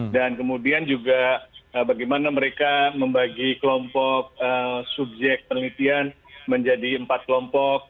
dan kemudian juga bagaimana mereka membagi kelompok subjek penelitian menjadi empat kelompok